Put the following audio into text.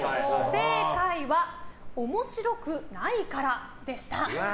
正解は面白くないからでした。